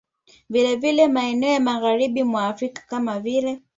Vilevile maeneo ya Magharibi mwa Afrika kama vile